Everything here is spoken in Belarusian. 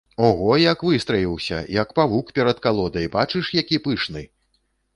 Ого, як выстраіўся, як павук перад калодай, бачыш, які пышны!